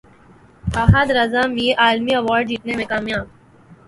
احد رضا میر عالمی ایوارڈ جیتنے میں کامیاب